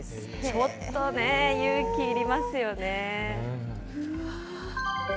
ちょっとね、勇気いりますよね。